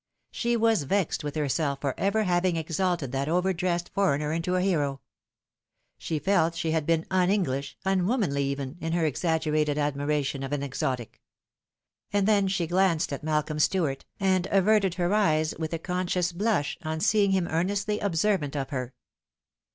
She was vexed with herself for ever having exalted that over dressed foreigner into a hero. She felt she had been un English, unwomanly even, in her exaggerated admiration of an exotic. And then she glanced at Malcolm Stuart, and averted her eyes with a conscious blush on seeing him earnestly observant of her.